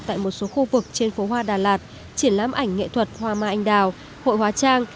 tại một số khu vực trên phố hoa đà lạt triển lãm ảnh nghệ thuật hoa mai anh đào hội hóa trang